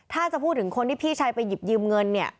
ถ้าจะพูดถึงคนที่พี่ชายไปหยิบยืมเงินเนี่ย